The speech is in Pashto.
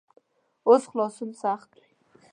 اوس خلاصون سخت وي.